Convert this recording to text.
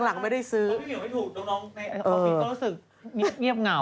หลังไม่ได้ซื้อพี่เหี่ยวไม่ถูกน้องในออฟฟิศก็รู้สึกเงียบเหงา